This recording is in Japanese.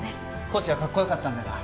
コーチがかっこよかったんだよな？